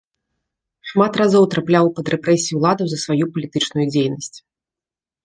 Шмат разоў трапляў пад рэпрэсіі ўладаў за сваю палітычную дзейнасць.